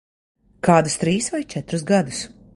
Kādus trīs vai četrus gadus.